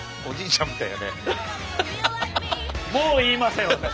もう言いません私。